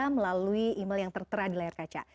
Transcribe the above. melalui email yang tertera di layar kaca